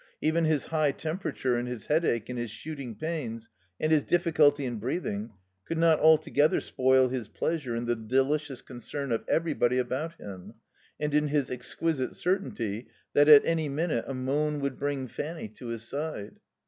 Even his high temperature and his headache and his shooting pains and his difficulty in breathing could not altogether spoil his pleasure in the delicious concern of everybody about him, and in his exquisite certainty that, at any minute, a moan would bring Fanny to his side.